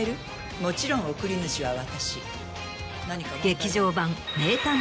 もちろん送り主は私。